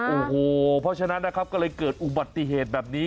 โอ้โหเพราะฉะนั้นนะครับก็เลยเกิดอุบัติเหตุแบบนี้